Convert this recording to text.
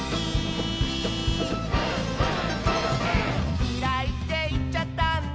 「きらいっていっちゃったんだ」